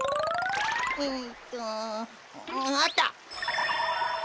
んっとあった！